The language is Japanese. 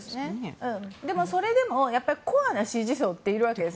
でも、それでもコアな支持層っているわけです。